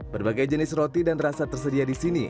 berbagai jenis roti dan rasa tersedia disini